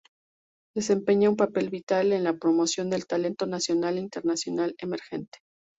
Desempeña un papel vital en la promoción del talento nacional e internacional emergente..